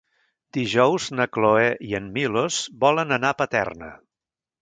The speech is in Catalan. Dijous na Cloè i en Milos volen anar a Paterna.